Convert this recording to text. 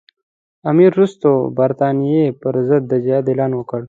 امیر وروسته د برټانیې پر ضد د جهاد اعلان وکړ.